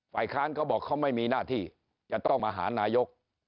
ฝ่ายค้านเขาบอกเขาไม่มีหน้าที่จะต้องมาหานายก